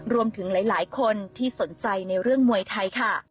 รวมถึงหลายคนที่สนใจในเรื่องมวยไทยค่ะ